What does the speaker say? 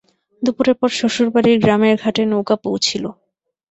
দুপুরের পর শ্বশুরবাড়ীর গ্রামের ঘাটে নৌকা পৌঁছিল।